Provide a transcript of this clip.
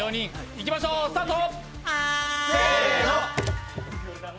いきましょう、スタート。